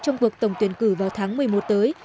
trong cuộc tổng tuyển cử vào tháng một mươi một tới